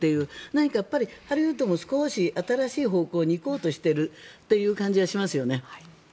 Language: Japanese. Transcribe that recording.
何かハリウッドも、少し新しい方向に行こうとしているという感じはしますね。